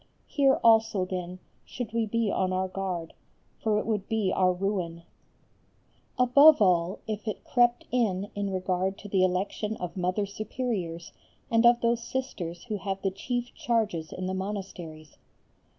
Here also then should we be on our guard, for it would be our ruin; above all if it crept in in regard to the election of Mother Superiors and of those Sisters who have the chief charges in the monasteries.